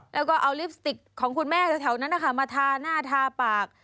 แล้วก็เอาลิปสติกของคุณแม่แถวนั้นนะคะมาทาหน้าทาปาก